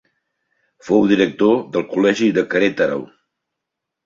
Fou director del Col·legi de Querétaro.